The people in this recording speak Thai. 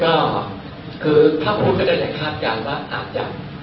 ก็คือถ้าพูดก็ได้เนี่ยคาดการณ์ว่าอาจจะ